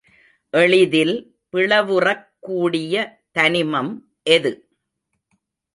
எளிதில் பிளவுறக்கூடிய தனிமம் எது?